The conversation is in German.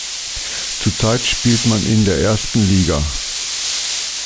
Zurzeit spielt man in der ersten Liga.